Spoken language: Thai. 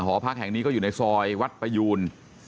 หอพักแห่งนี้ก็อยู่ในซอยวัดประยูน